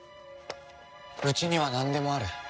うちにはなんでもある。